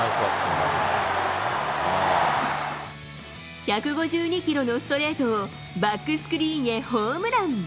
１５２キロのストレートを、バックスクリーンへホームラン。